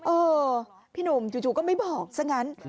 เออพี่หนุ่มจู่ก็ไม่บอกซะงั้น